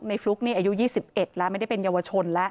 ฟลุ๊กนี่อายุ๒๑แล้วไม่ได้เป็นเยาวชนแล้ว